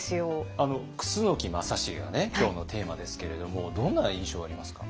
楠木正成がね今日のテーマですけれどもどんな印象ありますか？